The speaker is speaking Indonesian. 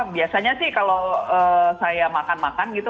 biasanya sih kalau saya makan makan gitu